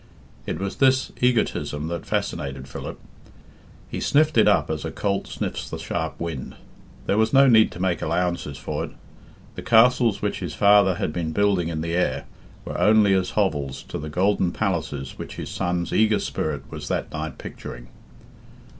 It was this egotism that fascinated Philip. He sniffed it up as a colt sniffs the sharp wind. There was no need to make allowances for it. The castles which his father had been building in the air were only as hovels to the golden palaces which his son's eager spirit was that night picturing.